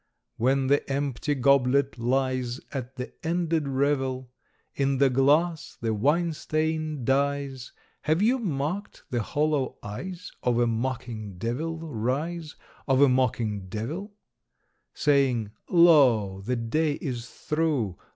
_ When the empty goblet lies At the ended revel, In the glass, the wine stain dyes, Have you marked the hollow eyes Of a mocking Devil rise, Of a mocking Devil? Saying _Lo, the day is through!